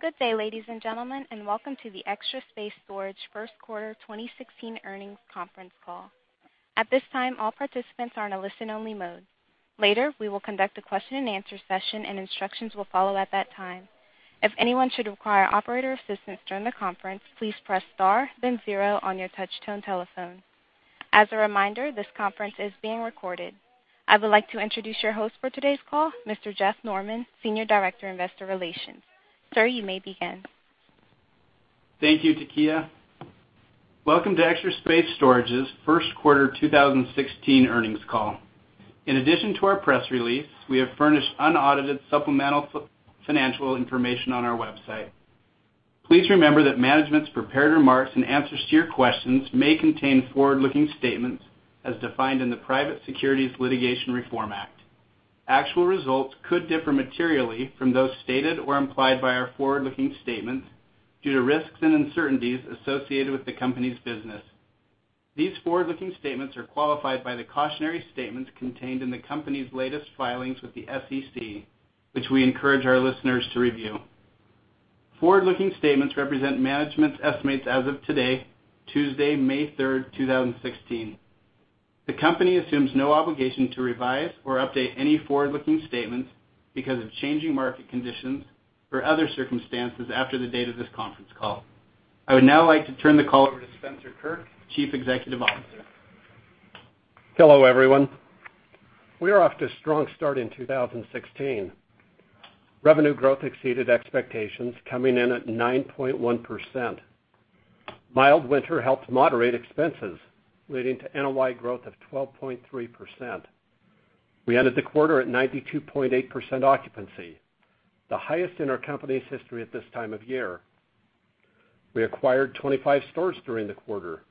Good day, ladies and gentlemen, and welcome to the Extra Space Storage first quarter 2016 earnings conference call. At this time, all participants are in a listen-only mode. Later, we will conduct a question-and-answer session, and instructions will follow at that time. If anyone should require operator assistance during the conference, please press star then zero on your touch-tone telephone. As a reminder, this conference is being recorded. I would like to introduce your host for today's call, Mr. Jeff Norman, Senior Director, Investor Relations. Sir, you may begin. Thank you, Taquia. Welcome to Extra Space Storage's first quarter 2016 earnings call. In addition to our press release, we have furnished unaudited supplemental financial information on our website. Please remember that management's prepared remarks and answers to your questions may contain forward-looking statements as defined in the Private Securities Litigation Reform Act. Actual results could differ materially from those stated or implied by our forward-looking statements due to risks and uncertainties associated with the company's business. These forward-looking statements are qualified by the cautionary statements contained in the company's latest filings with the SEC, which we encourage our listeners to review. Forward-looking statements represent management's estimates as of today, Tuesday, May 3rd, 2016. The company assumes no obligation to revise or update any forward-looking statements because of changing market conditions or other circumstances after the date of this conference call. I would now like to turn the call over to Spencer Kirk, Chief Executive Officer. Hello, everyone. We are off to a strong start in 2016. Revenue growth exceeded expectations, coming in at 9.1%. Mild winter helped moderate expenses, leading to NOI growth of 12.3%. We ended the quarter at 92.8% occupancy, the highest in our company's history at this time of year. We acquired 25 stores during the quarter,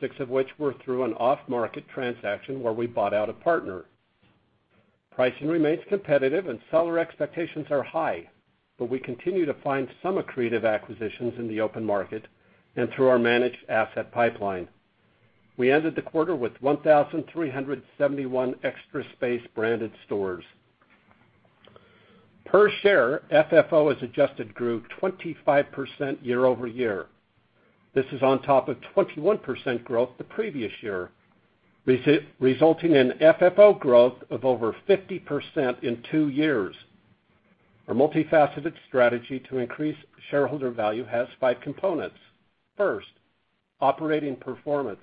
six of which were through an off-market transaction where we bought out a partner. Pricing remains competitive and seller expectations are high, we continue to find some accretive acquisitions in the open market and through our managed asset pipeline. We ended the quarter with 1,371 Extra Space branded stores. Per share, FFO as adjusted grew 25% year-over-year. This is on top of 21% growth the previous year, resulting in FFO growth of over 50% in two years. Our multifaceted strategy to increase shareholder value has five components. First, operating performance.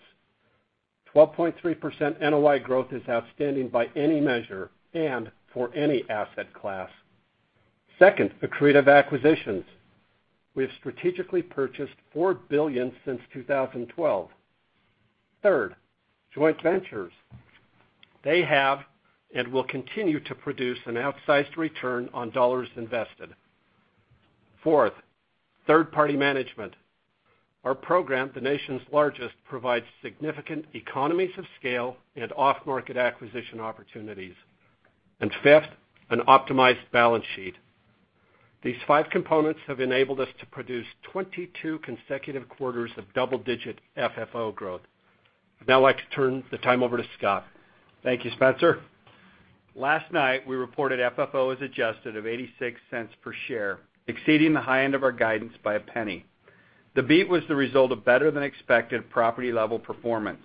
12.3% NOI growth is outstanding by any measure and for any asset class. Second, accretive acquisitions. We have strategically purchased $4 billion since 2012. Third, joint ventures. They have and will continue to produce an outsized return on dollars invested. Fourth, third-party management. Our program, the nation's largest, provides significant economies of scale and off-market acquisition opportunities. Fifth, an optimized balance sheet. These five components have enabled us to produce 22 consecutive quarters of double-digit FFO growth. I'd now like to turn the time over to Scott. Thank you, Spencer. Last night, we reported FFO as adjusted of $0.86 per share, exceeding the high end of our guidance by $0.01. The beat was the result of better than expected property-level performance,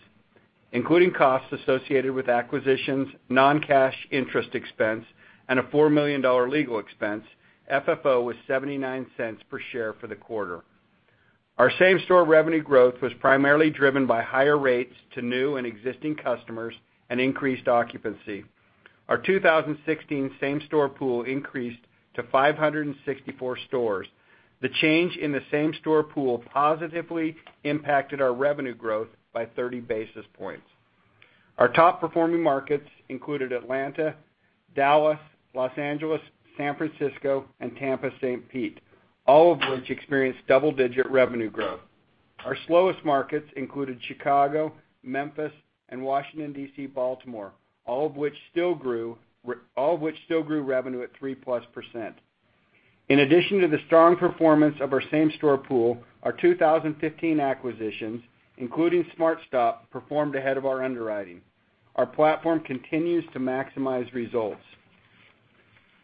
including costs associated with acquisitions, non-cash interest expense, and a $4 million legal expense. FFO was $0.79 per share for the quarter. Our same-store revenue growth was primarily driven by higher rates to new and existing customers and increased occupancy. Our 2016 same-store pool increased to 564 stores. The change in the same-store pool positively impacted our revenue growth by 30 basis points. Our top-performing markets included Atlanta, Dallas, Los Angeles, San Francisco, and Tampa, St. Pete, all of which experienced double-digit revenue growth. Our slowest markets included Chicago, Memphis, and Washington, D.C., Baltimore, all of which still grew revenue at 3%+. In addition to the strong performance of our same-store pool, our 2015 acquisitions, including SmartStop, performed ahead of our underwriting. Our platform continues to maximize results.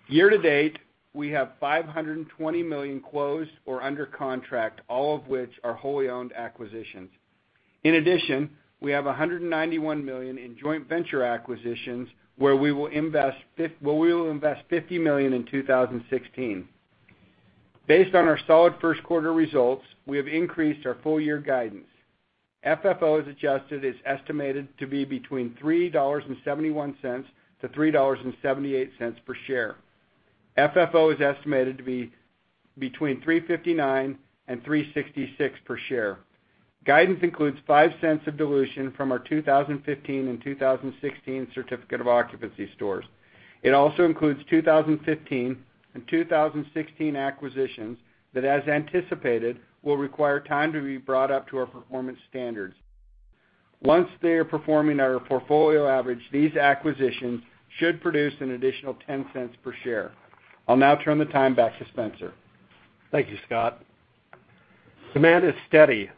Year to date, we have $520 million closed or under contract, all of which are wholly owned acquisitions. In addition, we have $191 million in joint venture acquisitions where we will invest $50 million in 2016. Based on our solid first quarter results, we have increased our full year guidance. FFO as adjusted is estimated to be between $3.71-$3.78 per share. FFO is estimated to be between $3.59 and $3.66 per share. Guidance includes $0.05 of dilution from our 2015 and 2016 Certificate of Occupancy stores. It also includes 2015 and 2016 acquisitions that, as anticipated, will require time to be brought up to our performance standards. Once they are performing at our portfolio average, these acquisitions should produce an additional $0.10 per share. I'll now turn the time back to Spencer. Thank you, Scott. Demand is steady,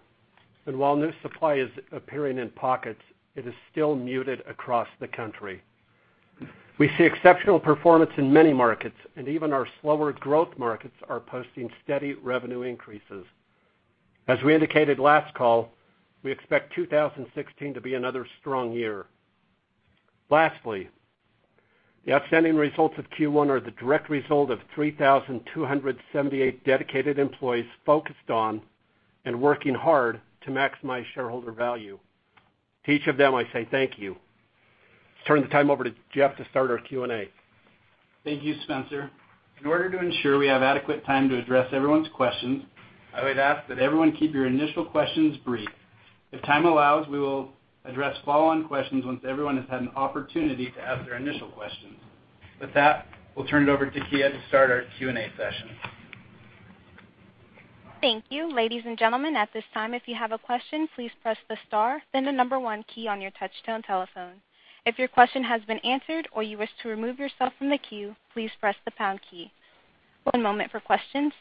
while new supply is appearing in pockets, it is still muted across the country. We see exceptional performance in many markets, and even our slower growth markets are posting steady revenue increases. As we indicated last call, we expect 2016 to be another strong year. Lastly, the outstanding results of Q1 are the direct result of 3,278 dedicated employees focused on and working hard to maximize shareholder value. To each of them, I say thank you. Let's turn the time over to Jeff to start our Q&A. Thank you, Spencer. In order to ensure we have adequate time to address everyone's questions, I would ask that everyone keep your initial questions brief. If time allows, we will address follow-on questions once everyone has had an opportunity to ask their initial questions. With that, we'll turn it over to Taquia to start our Q&A session. Thank you. Ladies and gentlemen, at this time, if you have a question, please press the star, then the number one key on your touchtone telephone. If your question has been answered or you wish to remove yourself from the queue, please press the pound key. One moment for questions.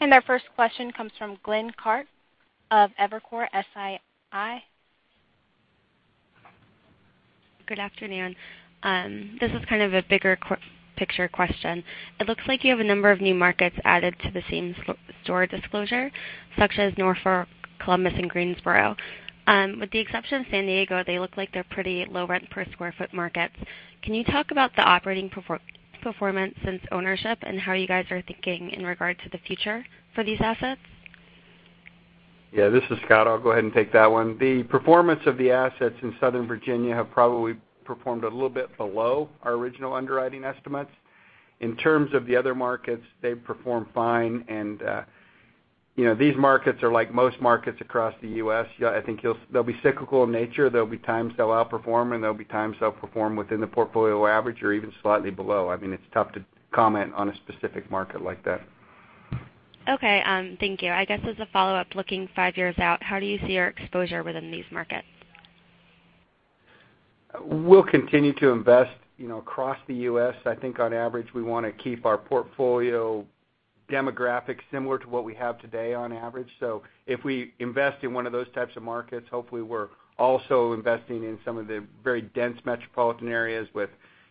Our first question comes from Glenn Clark of Evercore ISI. Good afternoon. This is kind of a bigger picture question. It looks like you have a number of new markets added to the same-store disclosure, such as Norfolk, Columbus, and Greensboro. With the exception of San Diego, they look like they're pretty low rent per square foot markets. Can you talk about the operating performance since ownership and how you guys are thinking in regard to the future for these assets? Yeah, this is Scott. I'll go ahead and take that one. The performance of the assets in southern Virginia have probably performed a little bit below our original underwriting estimates. In terms of the other markets, they've performed fine. These markets are like most markets across the U.S. I think they'll be cyclical in nature. There'll be times they'll outperform, there'll be times they'll perform within the portfolio average or even slightly below. It's tough to comment on a specific market like that. Okay, thank you. I guess as a follow-up, looking five years out, how do you see your exposure within these markets? We'll continue to invest across the U.S. I think on average, we want to keep our portfolio demographics similar to what we have today on average. If we invest in one of those types of markets, hopefully we're also investing in some of the very dense metropolitan areas with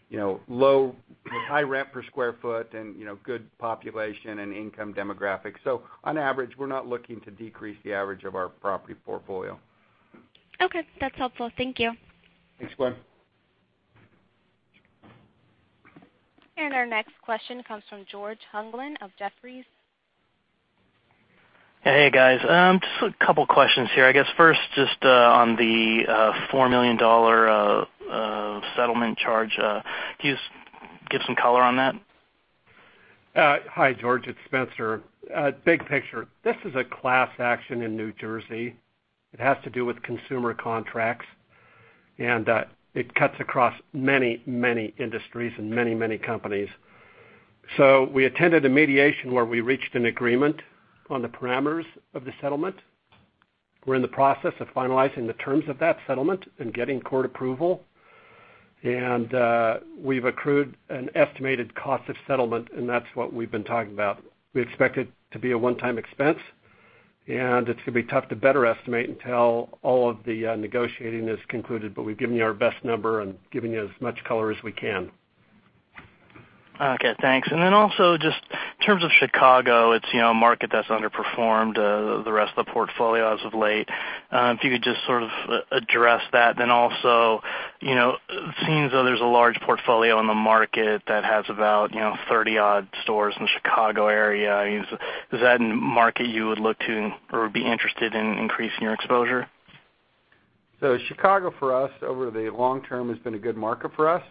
high rent per sq ft and good population and income demographics. On average, we're not looking to decrease the average of our property portfolio. Okay. That's helpful. Thank you. Thanks, Glenn. Our next question comes from George Hoglund of Jefferies. Hey, guys. Just a couple questions here. I guess first, just on the $4 million settlement charge. Can you just give some color on that? Hi, George. It's Spencer. Big picture. This is a class action in New Jersey. It has to do with consumer contracts, and it cuts across many industries and many companies. We attended a mediation where we reached an agreement on the parameters of the settlement. We're in the process of finalizing the terms of that settlement and getting court approval. We've accrued an estimated cost of settlement, and that's what we've been talking about. We expect it to be a one-time expense, and it's going to be tough to better estimate until all of the negotiating is concluded. We've given you our best number and given you as much color as we can. Okay, thanks. Also just in terms of Chicago, it's a market that's underperformed the rest of the portfolio as of late. If you could just sort of address that, it seems as though there's a large portfolio in the market that has about 30-odd stores in the Chicago area. Is that a market you would look to or be interested in increasing your exposure? Chicago for us over the long term has been a good market for us.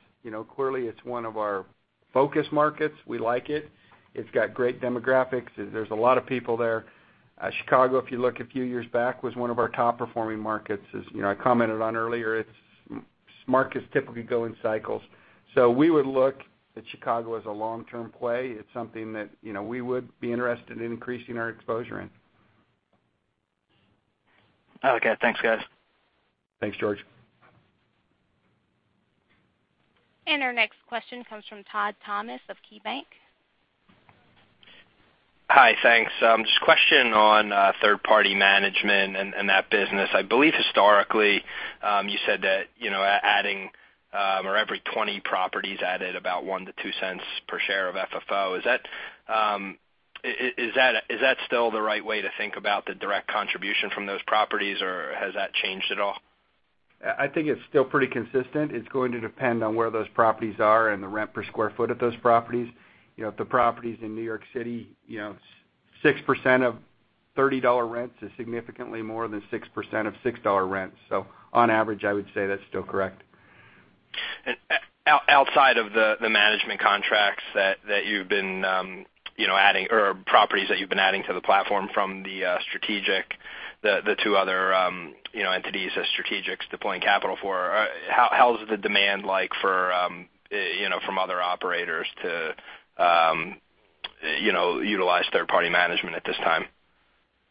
Clearly, it's one of our focus markets. We like it. It's got great demographics. There's a lot of people there. Chicago, if you look a few years back, was one of our top-performing markets. As I commented on earlier, markets typically go in cycles. We would look at Chicago as a long-term play. It's something that we would be interested in increasing our exposure in. Okay, thanks, guys. Thanks, George. Our next question comes from Todd Thomas of KeyBank. Hi, thanks. Just a question on third-party management and that business. I believe historically, you said that adding or every 20 properties added about $0.01-$0.02 per share of FFO. Is that still the right way to think about the direct contribution from those properties, or has that changed at all? I think it's still pretty consistent. It's going to depend on where those properties are and the rent per square foot of those properties. If the property's in New York City, 6% of $30 rents is significantly more than 6% of $6 rents. On average, I would say that's still correct. Outside of the management contracts that you've been adding or properties that you've been adding to the platform from the strategic, the two other entities as strategics deploying capital for, how's the demand like from other operators to utilize third-party management at this time?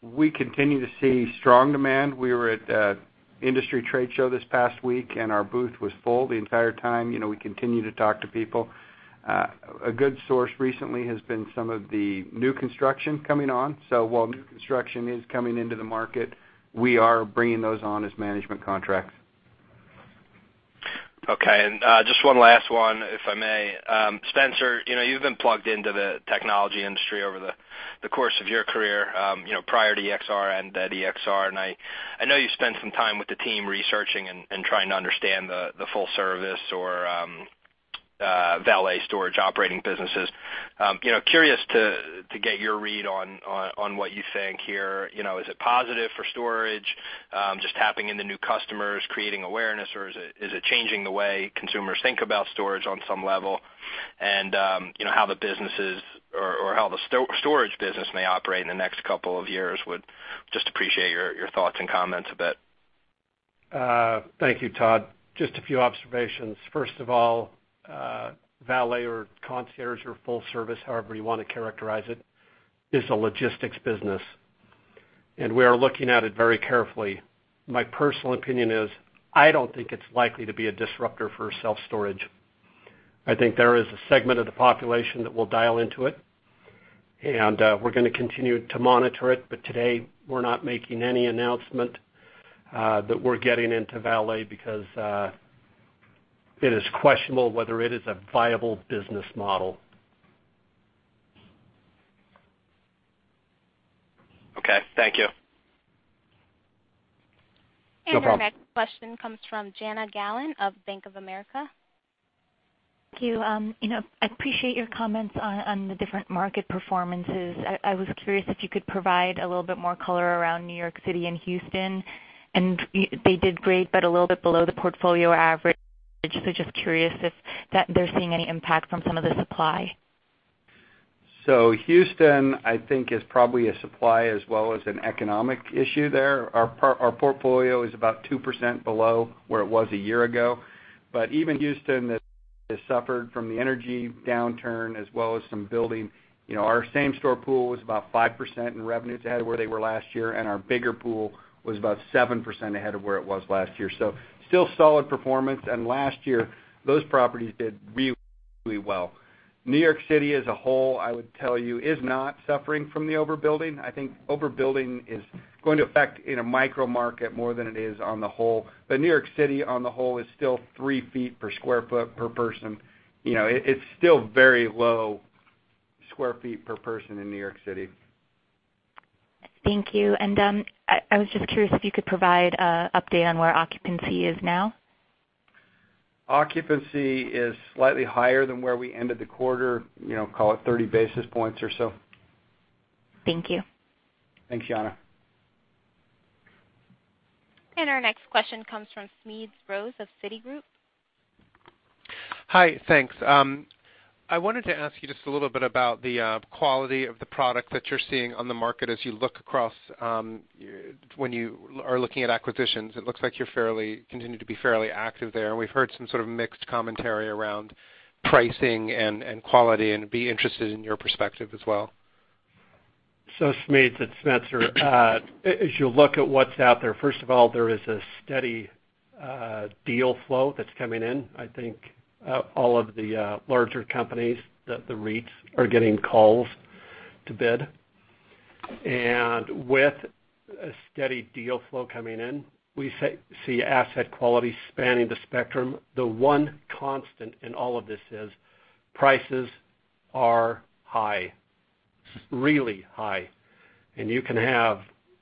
We continue to see strong demand. We were at an industry trade show this past week. Our booth was full the entire time. We continue to talk to people. A good source recently has been some of the new construction coming on. While new construction is coming into the market, we are bringing those on as management contracts. Okay. Just one last one, if I may. Spencer, you've been plugged into the technology industry over the course of your career, prior to EXR and at EXR, and I know you've spent some time with the team researching and trying to understand the full service or valet storage operating businesses. Curious to get your read on what you think here. Is it positive for storage, just tapping into new customers, creating awareness, or is it changing the way consumers think about storage on some level? How the businesses or how the storage business may operate in the next couple of years would just appreciate your thoughts and comments a bit. Thank you, Todd. Just a few observations. First of all, valet or concierge or full service, however you want to characterize it, is a logistics business, and we are looking at it very carefully. My personal opinion is, I don't think it's likely to be a disruptor for self-storage. I think there is a segment of the population that will dial into it, and we're going to continue to monitor it, but today, we're not making any announcement that we're getting into valet because it is questionable whether it is a viable business model. Okay. Thank you. No problem. Our next question comes from Jana Galan of Bank of America. Thank you. I appreciate your comments on the different market performances. I was curious if you could provide a little bit more color around New York City and Houston, they did great, but a little bit below the portfolio average. Just curious if they're seeing any impact from some of the supply. Houston, I think is probably a supply as well as an economic issue there. Our portfolio is about 2% below where it was a year ago. Even Houston that has suffered from the energy downturn as well as some building, our same store pool was about 5% in revenues ahead of where they were last year, and our bigger pool was about 7% ahead of where it was last year. Still solid performance, and last year, those properties did really well. New York City as a whole, I would tell you, is not suffering from the overbuilding. I think overbuilding is going to affect in a micro market more than it is on the whole. New York City on the whole is still three feet per square foot per person. It's still very low square feet per person in New York City. Thank you. I was just curious if you could provide update on where occupancy is now. Occupancy is slightly higher than where we ended the quarter, call it 30 basis points or so. Thank you. Thanks, Jana. Our next question comes from Smedes Rose of Citigroup. Hi. Thanks. I wanted to ask you just a little bit about the quality of the product that you're seeing on the market as you look across, when you are looking at acquisitions. It looks like you continue to be fairly active there, and we've heard some sort of mixed commentary around pricing and quality, and be interested in your perspective as well. Smedes, it's Spencer. As you look at what's out there, first of all, there is a steady deal flow that's coming in. I think all of the larger companies, the REITs, are getting calls to bid. With a steady deal flow coming in, we see asset quality spanning the spectrum. The one constant in all of this is prices are high, really high. You can have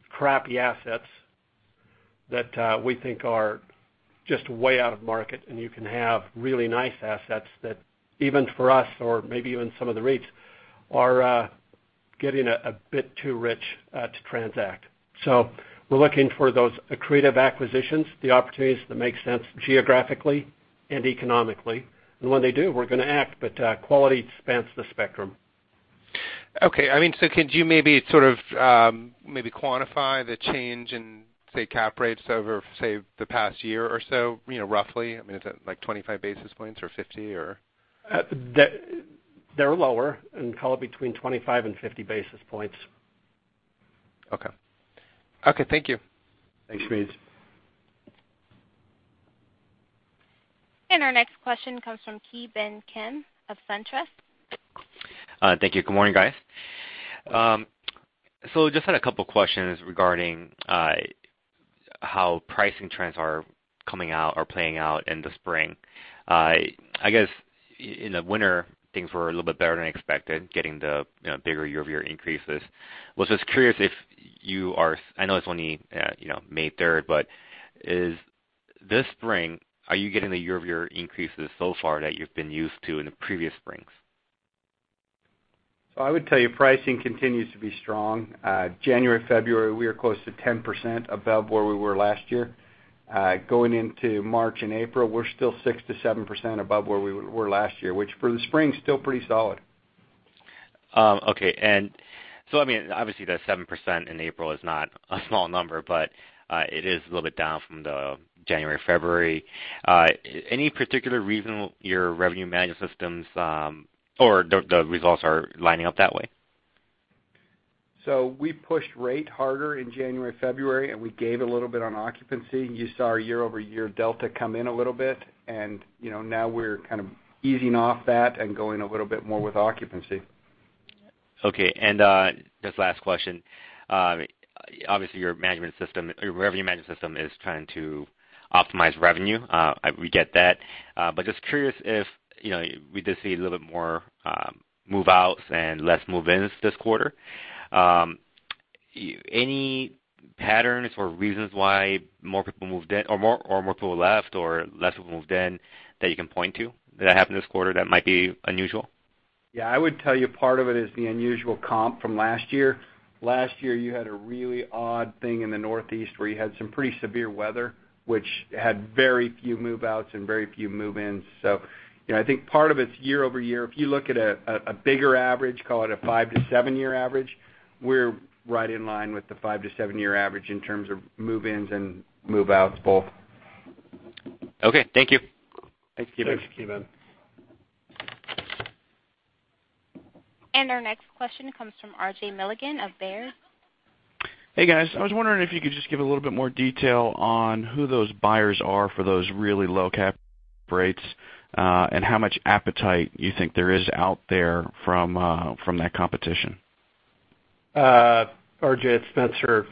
crappy assets that we think are just way out of market, and you can have really nice assets that even for us, or maybe even some of the REITs, are getting a bit too rich to transact. We're looking for those accretive acquisitions, the opportunities that make sense geographically and economically. When they do, we're going to act, but quality spans the spectrum. Okay. Could you maybe sort of, maybe quantify the change in, say, cap rates over, say, the past year or so, roughly? I mean, is it like 25 basis points or 50, or? They're lower, call it between 25 and 50 basis points. Okay. Okay. Thank you. Thanks, Smendes. Our next question comes from Ki Bin Kim of SunTrust. Thank you. Good morning, guys. Just had a couple questions regarding how pricing trends are coming out or playing out in the spring. I guess in the winter, things were a little bit better than expected, getting the bigger year-over-year increases. Was just curious if you are, I know it's only May 3rd, but this spring, are you getting the year-over-year increases so far that you've been used to in the previous springs? I would tell you pricing continues to be strong. January, February, we are close to 10% above where we were last year. Going into March and April, we're still 6%-7% above where we were last year, which for the spring, is still pretty solid. Okay. I mean, obviously, that 7% in April is not a small number, but it is a little bit down from the January, February. Any particular reason your revenue management systems, or the results are lining up that way? We pushed rate harder in January, February, and we gave a little bit on occupancy. You saw our year-over-year delta come in a little bit, and now we're kind of easing off that and going a little bit more with occupancy. Okay, just last question. Obviously, your revenue management system is trying to optimize revenue. We get that. Just curious if we did see a little bit more move-outs and less move-ins this quarter. Any patterns or reasons why more people moved in, or more people left or less people moved in that you can point to that happened this quarter that might be unusual? Yeah, I would tell you part of it is the unusual comp from last year. Last year, you had a really odd thing in the Northeast where you had some pretty severe weather, which had very few move-outs and very few move-ins. I think part of it's year-over-year. If you look at a bigger average, call it a five to seven-year average, we're right in line with the five to seven-year average in terms of move-ins and move-outs both. Okay, thank you. Thanks, Ki Bin. Thanks, Ki Bin. Our next question comes from RJ Milligan of Baird. Hey, guys. I was wondering if you could just give a little bit more detail on who those buyers are for those really low cap rates, and how much appetite you think there is out there from that competition. RJ, it's Spencer.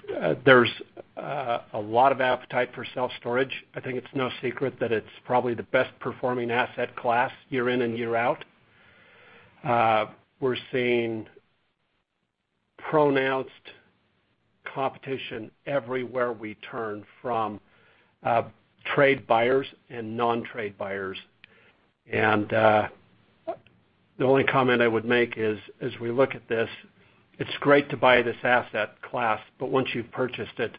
There's a lot of appetite for self-storage. I think it's no secret that it's probably the best-performing asset class year in and year out. We're seeing pronounced competition everywhere we turn from trade buyers and non-trade buyers. The only comment I would make is, as we look at this, it's great to buy this asset class, but once you've purchased it,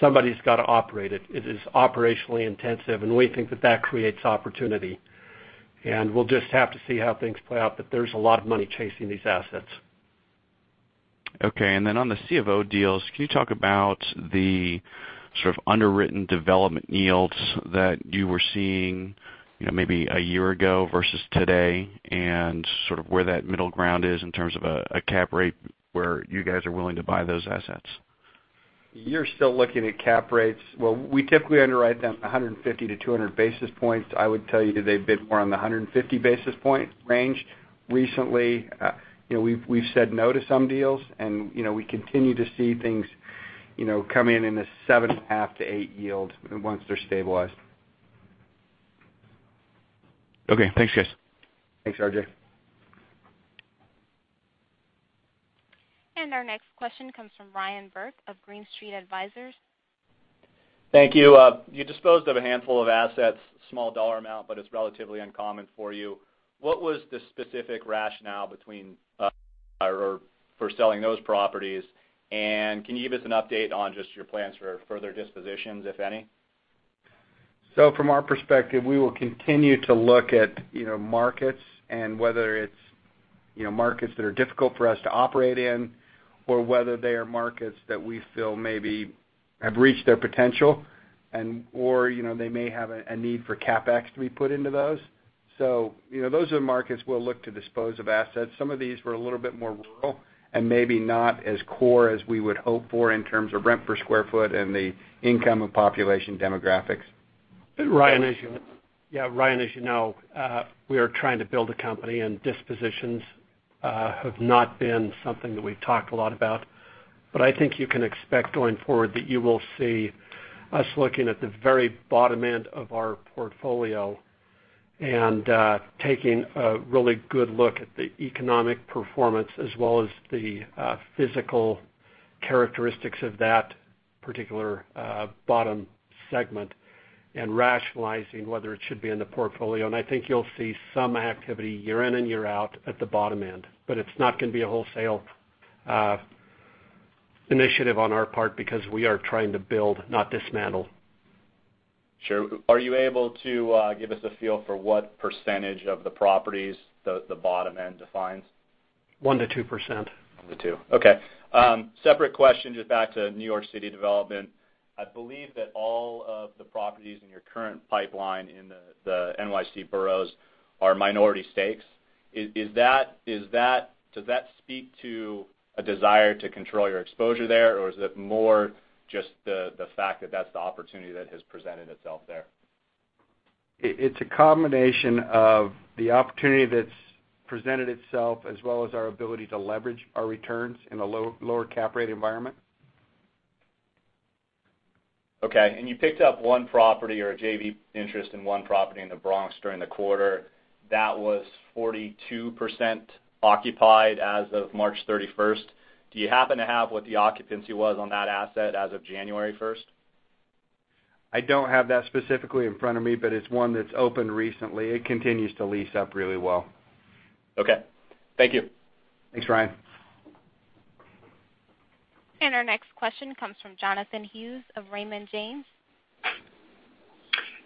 somebody's got to operate it. It is operationally intensive, and we think that that creates opportunity. We'll just have to see how things play out. There's a lot of money chasing these assets. Okay. Then on the C of O deals, can you talk about the sort of underwritten development yields that you were seeing maybe a year ago versus today and sort of where that middle ground is in terms of a cap rate where you guys are willing to buy those assets? You're still looking at cap rates Well, we typically underwrite them 150200 basis points. I would tell you that they've been more on the 150 basis point range recently. We've said no to some deals, we continue to see things come in in the 7.5- 8 yield once they're stabilized. Okay, thanks, guys. Thanks, RJ. Our next question comes from Ryan Burke of Green Street Advisors. Thank you. You disposed of a handful of assets, small dollar amount, it's relatively uncommon for you. What was the specific rationale for selling those properties? Can you give us an update on just your plans for further dispositions, if any? From our perspective, we will continue to look at markets and whether it's markets that are difficult for us to operate in or whether they are markets that we feel maybe have reached their potential and/or they may have a need for CapEx to be put into those. Those are the markets we'll look to dispose of assets. Some of these were a little bit more rural and maybe not as core as we would hope for in terms of rent per square foot and the income of population demographics. Yeah, Ryan, as you know, we are trying to build a company, and dispositions have not been something that we've talked a lot about. I think you can expect going forward that you will see us looking at the very bottom end of our portfolio and taking a really good look at the economic performance as well as the physical characteristics of that particular bottom segment and rationalizing whether it should be in the portfolio. I think you'll see some activity year in and year out at the bottom end. It's not going to be a wholesale initiative on our part because we are trying to build, not dismantle. Sure. Are you able to give us a feel for what percentage of the properties the bottom end defines? 1%-2%. 1%-2%. Okay. Separate question, just back to New York City development. I believe that all of the properties in your current pipeline in the NYC boroughs are minority stakes. Does that speak to a desire to control your exposure there, or is it more just the fact that that's the opportunity that has presented itself there? It's a combination of the opportunity that's presented itself as well as our ability to leverage our returns in a lower cap rate environment. Okay. You picked up one property or a JV interest in one property in the Bronx during the quarter. That was 42% occupied as of March 31st. Do you happen to have what the occupancy was on that asset as of January 1st? I don't have that specifically in front of me. It's one that's opened recently. It continues to lease up really well. Okay. Thank you. Thanks, Ryan. Our next question comes from Jonathan Hughes of Raymond James.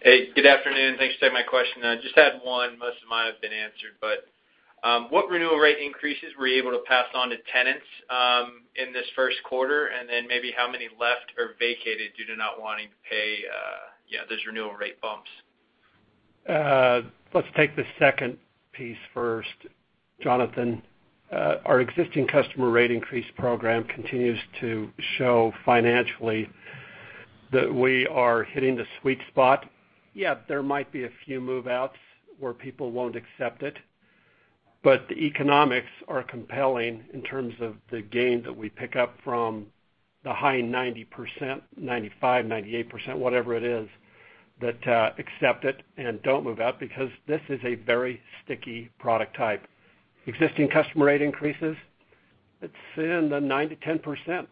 Hey, good afternoon. Thanks for taking my question. I just had one. Most of mine have been answered, but what renewal rate increases were you able to pass on to tenants in this first quarter, and then maybe how many left or vacated due to not wanting to pay those renewal rate bumps? Let's take the second piece first, Jonathan. Our existing customer rate increase program continues to show financially that we are hitting the sweet spot. Yeah, there might be a few move-outs where people won't accept it, but the economics are compelling in terms of the gain that we pick up from the high 90%, 95%, 98%, whatever it is, that accept it and don't move out, because this is a very sticky product type. Existing customer rate increases, it's in the 9%-10%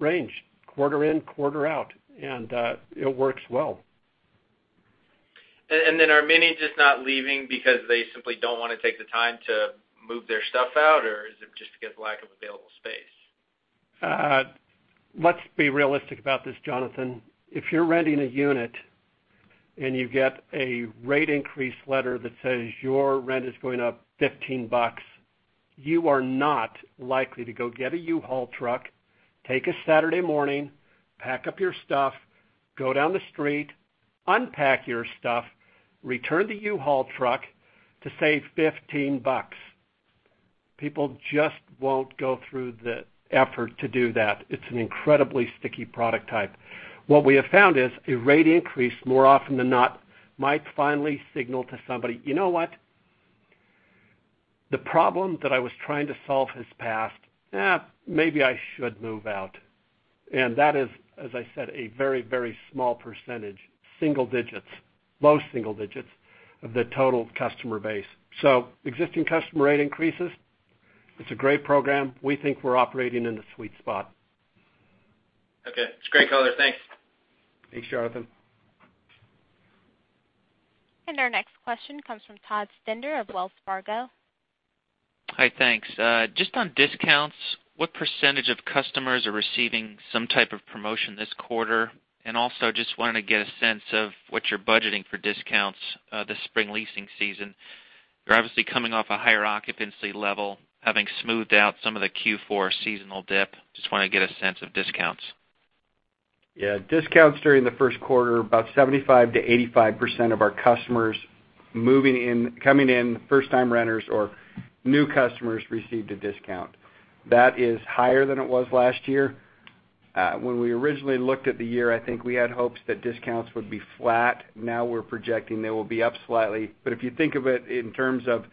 range, quarter in, quarter out, and it works well. Then are many just not leaving because they simply don't want to take the time to move their stuff out, or is it just because lack of available space? Let's be realistic about this, Jonathan. If you're renting a unit and you get a rate increase letter that says your rent is going up $15, you are not likely to go get a U-Haul truck, take a Saturday morning, pack up your stuff, go down the street, unpack your stuff, return the U-Haul truck to save $15. People just won't go through the effort to do that. It's an incredibly sticky product type. What we have found is a rate increase, more often than not, might finally signal to somebody, "You know what? The problem that I was trying to solve has passed. Maybe I should move out." That is, as I said, a very, very small percentage, single digits, low single digits of the total customer base. Existing customer rate increases, it's a great program. We think we're operating in the sweet spot. Okay. It's a great color. Thanks. Thanks, Jonathan. Our next question comes from Todd Stender of Wells Fargo. Hi. Thanks. Just on discounts, what percentage of customers are receiving some type of promotion this quarter? Also just wanted to get a sense of what you're budgeting for discounts this spring leasing season. You're obviously coming off a higher occupancy level, having smoothed out some of the Q4 seasonal dip. Just want to get a sense of discounts. Yeah. Discounts during the first quarter, about 75%-85% of our customers moving in, coming in, first time renters or new customers received a discount. That is higher than it was last year. When we originally looked at the year, I think we had hopes that discounts would be flat. We're projecting they will be up slightly. If you think of it in terms of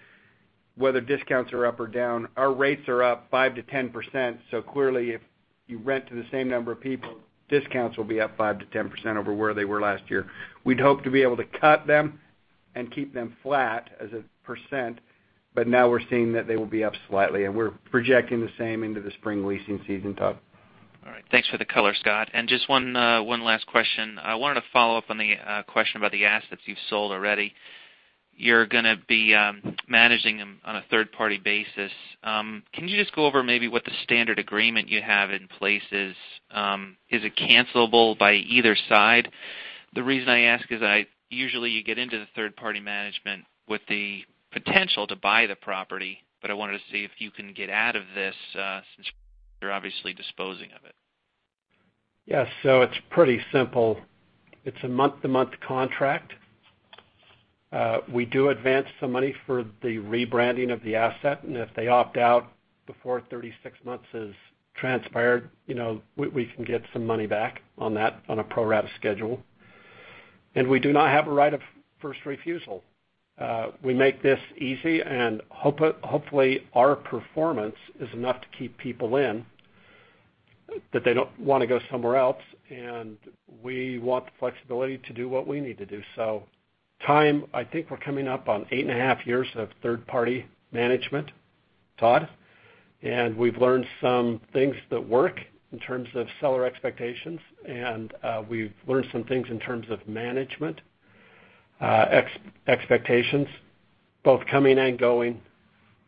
whether discounts are up or down, our rates are up 5%-10%. Clearly, if you rent to the same number of people, discounts will be up 5%-10% over where they were last year. We'd hope to be able to cut them and keep them flat as a percent, we're seeing that they will be up slightly, and we're projecting the same into the spring leasing season, Todd. All right. Thanks for the color, Scott. Just one last question. I wanted to follow up on the question about the assets you've sold already. You're gonna be managing them on a third-party basis. Can you just go over maybe what the standard agreement you have in place is? Is it cancelable by either side? The reason I ask is usually you get into the third-party management with the potential to buy the property, I wanted to see if you can get out of this, since you're obviously disposing of it. Yes, it's pretty simple. It's a month-to-month contract. We do advance some money for the rebranding of the asset, if they opt out before 36 months has transpired, we can get some money back on that on a pro rata schedule. We do not have a right of first refusal. We make this easy, hopefully, our performance is enough to keep people in that they don't want to go somewhere else, we want the flexibility to do what we need to do. Time, I think we're coming up on eight and a half years of third-party management, Todd, we've learned some things that work in terms of seller expectations, we've learned some things in terms of management expectations, both coming and going.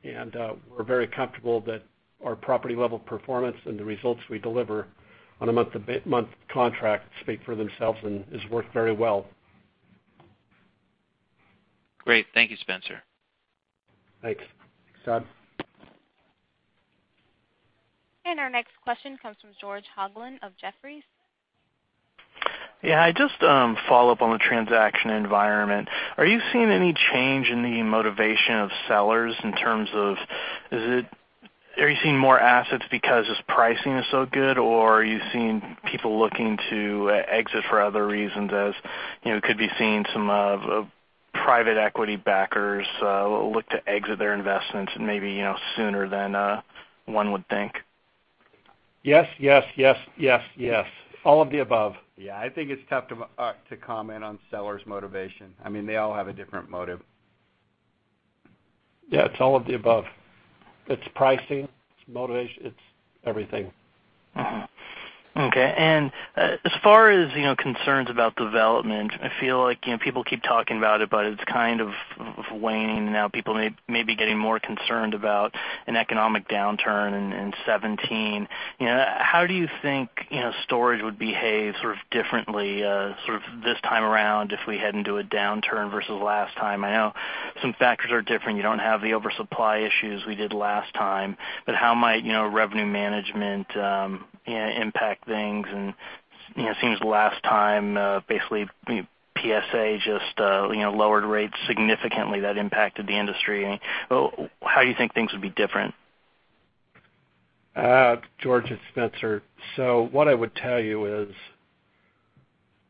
We're very comfortable that our property-level performance and the results we deliver on a month-to-month contract speak for themselves and has worked very well. Great. Thank you, Spencer. Thanks. Thanks, Todd. Our next question comes from George Hoglund of Jefferies. Yeah. Just follow up on the transaction environment. Are you seeing any change in the motivation of sellers in terms of, are you seeing more assets because its pricing is so good, or are you seeing people looking to exit for other reasons as could be seeing some of private equity backers look to exit their investments and maybe sooner than one would think? Yes. All of the above. Yeah. I think it's tough to comment on sellers' motivation. They all have a different motive. Yeah. It's all of the above. It's pricing, it's motivation, it's everything. Okay. As far as concerns about development, I feel like people keep talking about it, but it's kind of waning now. People may be getting more concerned about an economic downturn in 2017. How do you think storage would behave differently this time around if we head into a downturn versus last time? I know some factors are different. You don't have the oversupply issues we did last time, but how might revenue management impact things? It seems last time, basically, PSA just lowered rates significantly that impacted the industry. How do you think things would be different? George, it's Spencer. What I would tell you is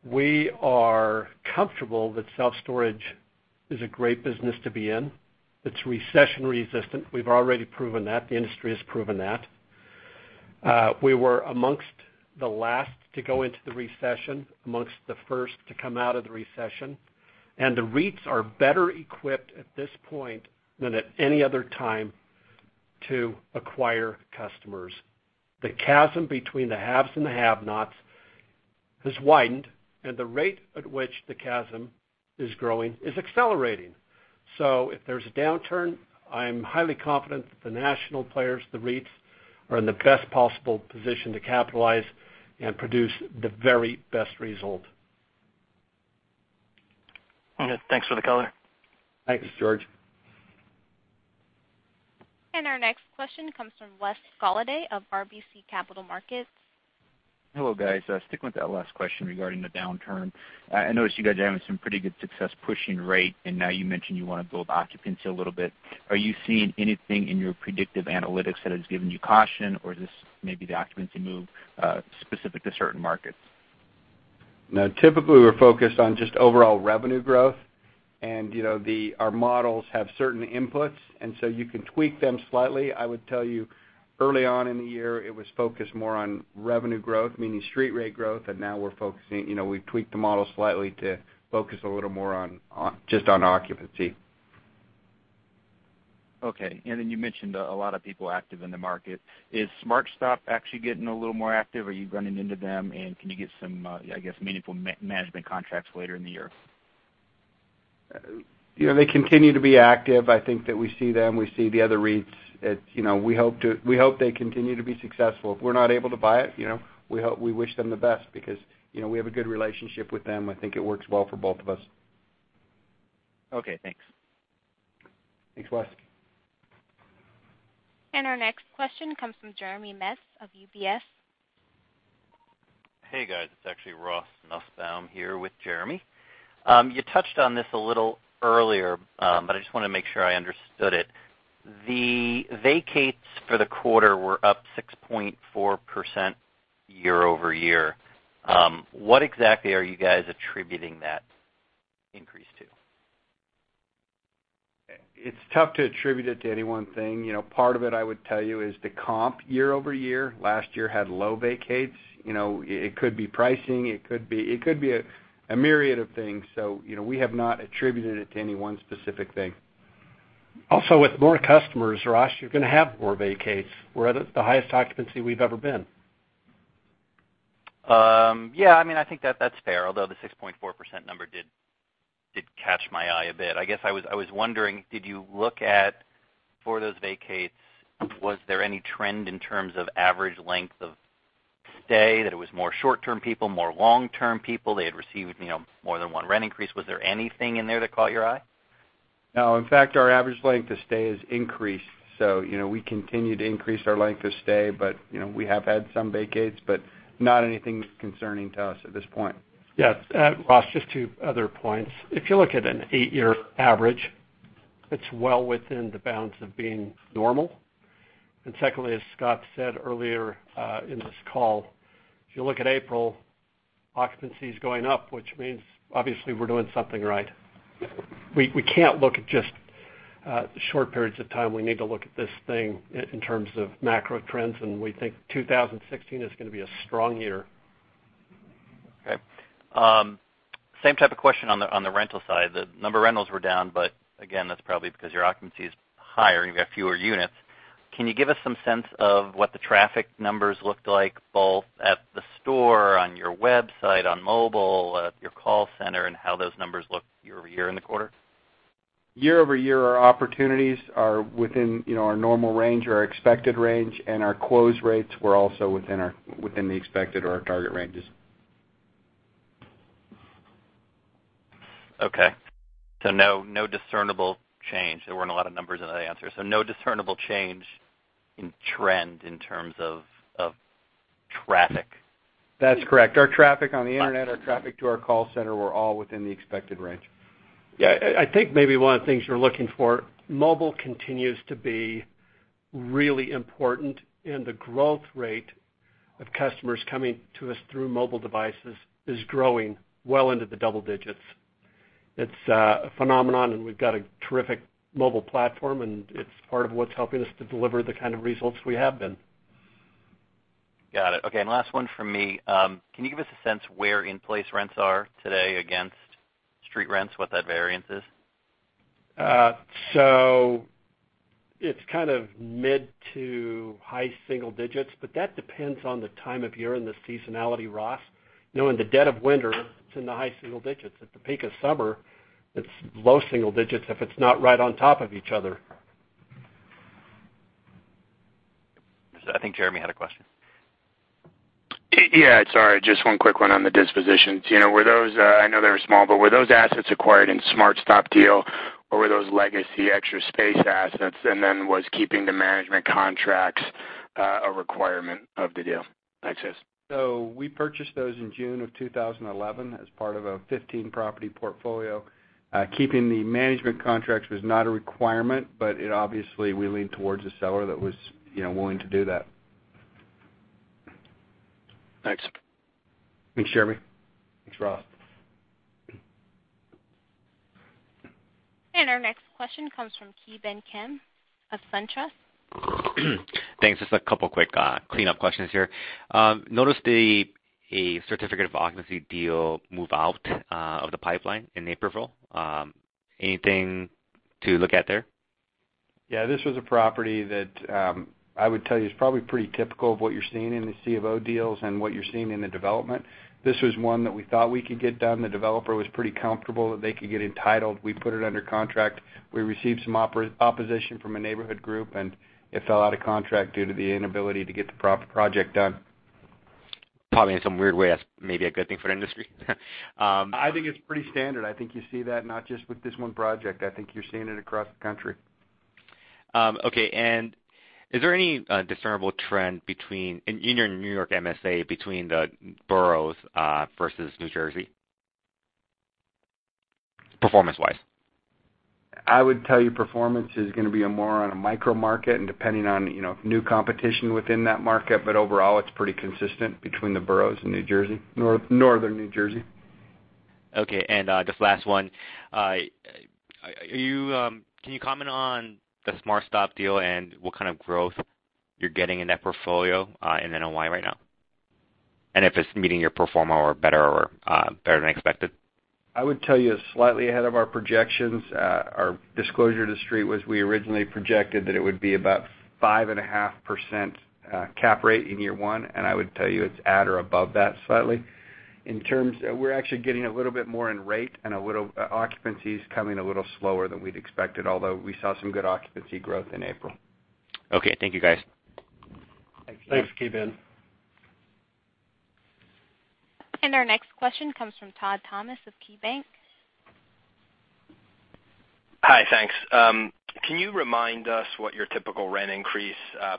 we are comfortable that self-storage is a great business to be in. It's recession resistant. We've already proven that. The industry has proven that. We were amongst the last to go into the recession, amongst the first to come out of the recession. The REITs are better equipped at this point than at any other time to acquire customers. The chasm between the haves and the have-nots has widened, and the rate at which the chasm is growing is accelerating. If there's a downturn, I'm highly confident that the national players, the REITs, are in the best possible position to capitalize and produce the very best result. Thanks for the color. Thanks, George. Our next question comes from Wes Golladay of RBC Capital Markets. Hello, guys. Sticking with that last question regarding the downturn. I noticed you guys are having some pretty good success pushing rate, and now you mentioned you want to build occupancy a little bit. Are you seeing anything in your predictive analytics that has given you caution, or is this maybe the occupancy move specific to certain markets? No. Typically, we're focused on just overall revenue growth and our models have certain inputs and so you can tweak them slightly. I would tell you early on in the year, it was focused more on revenue growth, meaning street rate growth. Now we've tweaked the model slightly to focus a little more just on occupancy. Okay. Then you mentioned a lot of people active in the market. Is SmartStop actually getting a little more active? Are you running into them? Can you get some, I guess, meaningful management contracts later in the year? They continue to be active. I think that we see them, we see the other REITs. We hope they continue to be successful. If we're not able to buy it, we wish them the best because we have a good relationship with them. I think it works well for both of us. Okay, thanks. Thanks, Wes. Our next question comes from Jeremy Metz of UBS. Hey, guys. It's actually Ross Nussbaum here with Jeremy. You touched on this a little earlier, but I just want to make sure I understood it. The vacates for the quarter were up 6.4% year-over-year. What exactly are you guys attributing that increase to? It's tough to attribute it to any one thing. Part of it, I would tell you, is the comp year-over-year. Last year had low vacates. It could be pricing. It could be a myriad of things. We have not attributed it to any one specific thing. Also, with more customers, Ross, you're going to have more vacates. We're at the highest occupancy we've ever been. Yeah, I think that's fair. Although the 6.4% number did catch my eye a bit. I guess I was wondering, did you look at, for those vacates, was there any trend in terms of average length of stay, that it was more short-term people, more long-term people, they had received more than one rent increase? Was there anything in there that caught your eye? No. In fact, our average length of stay has increased. We continue to increase our length of stay, but we have had some vacates, but not anything concerning to us at this point. Yes. Ross, just two other points. If you look at an eight-year average, it's well within the bounds of being normal. Secondly, as Scott said earlier in this call, if you look at April, occupancy is going up, which means obviously we're doing something right. We can't look at just short periods of time. We need to look at this thing in terms of macro trends, and we think 2016 is going to be a strong year. Okay. Same type of question on the rental side. The number of rentals were down, but again, that's probably because your occupancy is higher and you've got fewer units. Can you give us some sense of what the traffic numbers looked like, both at the store, on your website, on mobile, at your call center, and how those numbers look year-over-year in the quarter? Year-over-year, our opportunities are within our normal range or our expected range, and our close rates were also within the expected or our target ranges. No discernible change. There weren't a lot of numbers in that answer. No discernible change in trend in terms of traffic. That's correct. Our traffic on the internet, our traffic to our call center were all within the expected range. Yeah, I think maybe one of the things you're looking for, mobile continues to be really important, and the growth rate of customers coming to us through mobile devices is growing well into the double digits. It's a phenomenon, and we've got a terrific mobile platform, and it's part of what's helping us to deliver the kind of results we have been. Got it. Okay, last one from me. Can you give us a sense where in-place rents are today against street rents, what that variance is? It's kind of mid to high single digits, but that depends on the time of year and the seasonality, Ross. In the dead of winter, it's in the high single digits. At the peak of summer, it's low single digits if it's not right on top of each other. I think Jeremy had a question. Yeah, sorry, just one quick one on the dispositions. I know they were small, but were those assets acquired in SmartStop deal? Were those legacy Extra Space assets, and then was keeping the management contracts, a requirement of the deal? Thanks, guys. We purchased those in June of 2011 as part of a 15-property portfolio. Keeping the management contracts was not a requirement, obviously, we leaned towards a seller that was willing to do that. Thanks. Thanks, Jeremy. Thanks, Ross. Our next question comes from Ki Bin Kim of SunTrust. Thanks. Just a couple quick cleanup questions here. Noticed a Certificate of Occupancy deal move out of the pipeline in April. Anything to look at there? Yeah. This was a property that I would tell you is probably pretty typical of what you're seeing in the C of O deals and what you're seeing in the development. This was one that we thought we could get done. The developer was pretty comfortable that they could get entitled. We put it under contract. We received some opposition from a neighborhood group, and it fell out of contract due to the inability to get the project done. Probably in some weird way, that's maybe a good thing for the industry. I think it's pretty standard. I think you see that not just with this one project. I think you're seeing it across the country. Okay. Is there any discernible trend between, in Union New York MSA, between the boroughs versus New Jersey, performance-wise? I would tell you performance is going to be more on a micro market and depending on new competition within that market. Overall, it's pretty consistent between the boroughs in New Jersey, northern New Jersey. Okay, just last one. Can you comment on the SmartStop deal and what kind of growth you're getting in that portfolio in N.Y. right now? If it's meeting your pro forma or better than expected? I would tell you it's slightly ahead of our projections. Our disclosure to the street was we originally projected that it would be about 5.5% cap rate in year 1, I would tell you it's at or above that slightly. In terms, we're actually getting a little bit more in rate and occupancy's coming a little slower than we'd expected, although we saw some good occupancy growth in April. Okay, thank you, guys. Thanks. Our next question comes from Todd Thomas of KeyBank. Hi. Thanks. Can you remind us what your typical rent increase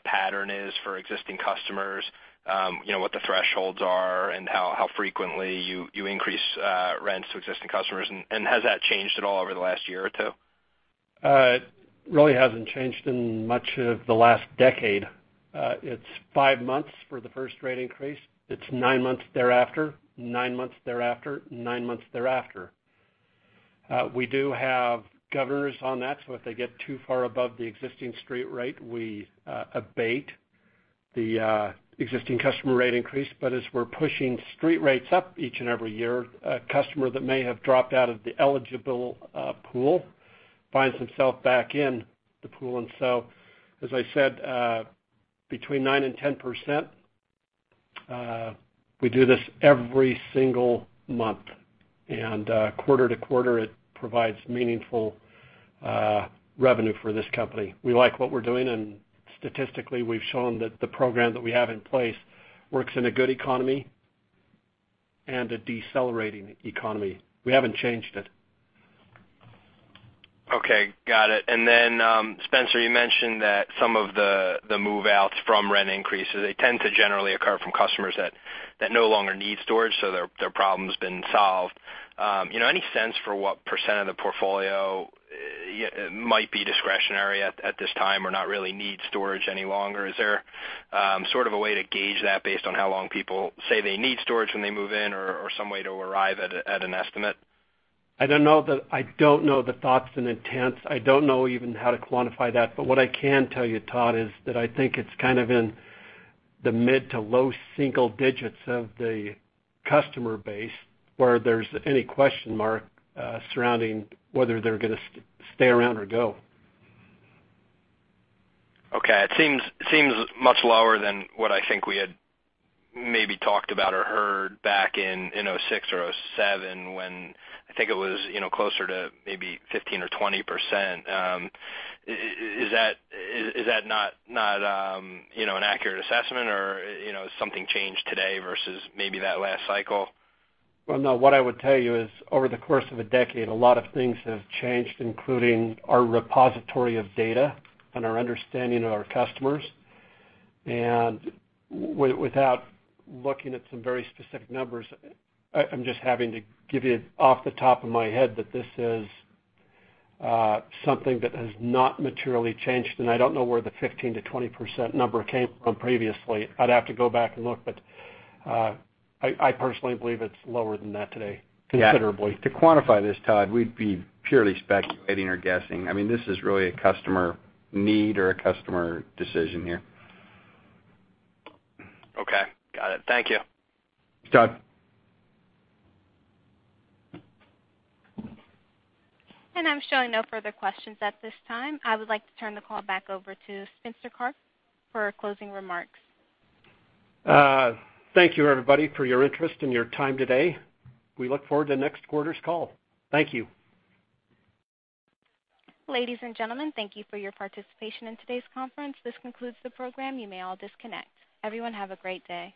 pattern is for existing customers? What the thresholds are and how frequently you increase rents to existing customers? Has that changed at all over the last year or two? It really hasn't changed in much of the last decade. It's five months for the first rate increase. It's nine months thereafter, nine months thereafter, nine months thereafter. We do have governors on that, so if they get too far above the existing street rate, we abate the existing customer rate increase. As we're pushing street rates up each and every year, a customer that may have dropped out of the eligible pool finds themself back in the pool. As I said, between 9%-10%. We do this every single month. Quarter to quarter, it provides meaningful revenue for this company. We like what we're doing. Statistically, we've shown that the program that we have in place works in a good economy and a decelerating economy. We haven't changed it. Okay, got it. Spencer, you mentioned that some of the move-outs from rent increases, they tend to generally occur from customers that no longer need storage, so their problem's been solved. Any sense for what % of the portfolio might be discretionary at this time or not really need storage any longer? Is there sort of a way to gauge that based on how long people say they need storage when they move in or some way to arrive at an estimate? I don't know the thoughts and intents. I don't know even how to quantify that, but what I can tell you, Todd, is that I think it's kind of in the mid to low single digits of the customer base where there's any question mark surrounding whether they're going to stay around or go. Okay. It seems much lower than what I think we had maybe talked about or heard back in 2006 or 2007 when I think it was closer to maybe 15% or 20%. Is that not an accurate assessment or has something changed today versus maybe that last cycle? Well, no, what I would tell you is over the course of a decade, a lot of things have changed, including our repository of data and our understanding of our customers. Without looking at some very specific numbers, I'm just having to give you off the top of my head that this is something that has not materially changed, and I don't know where the 15%-20% number came from previously. I'd have to go back and look, but, I personally believe it's lower than that today, considerably. Yeah. To quantify this, Todd, we'd be purely speculating or guessing. This is really a customer need or a customer decision here. Okay. Got it. Thank you. Thanks, Todd. I'm showing no further questions at this time. I would like to turn the call back over to Spencer Kirk for closing remarks. Thank you, everybody, for your interest and your time today. We look forward to next quarter's call. Thank you. Ladies and gentlemen, thank you for your participation in today's conference. This concludes the program. You may all disconnect. Everyone have a great day.